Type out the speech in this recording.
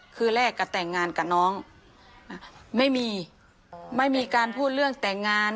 คือแรกก็แต่งงานกับน้องไม่มีไม่มีการพูดเรื่องแต่งงาน